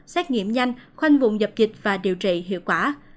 xét nghiệm nhanh khoanh vùng dập dịch và điều trị hiệu quả